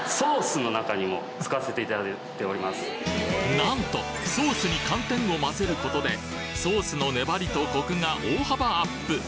なんとソースに寒天を混ぜることでソースの粘りとコクが大幅アップ！